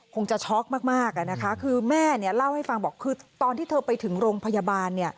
คงช็อกมากนะคะคือแม่เล่าให้ฟังตอนที่เธอไปถึงโรงพยาบาล